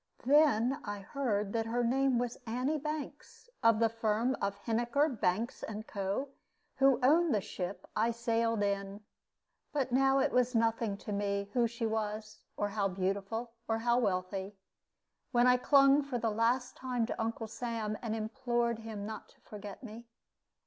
Then I heard that her name was Annie Banks, of the firm of Heniker, Banks, and Co., who owned the ship I sailed in. But now it was nothing to me who she was, or how beautiful, or how wealthy, when I clung for the last time to Uncle Sam, and implored him not to forget me.